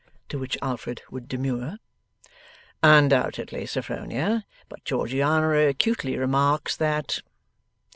To which Alfred would demur: 'Undoubtedly, Sophronia, but Georgiana acutely remarks,' that.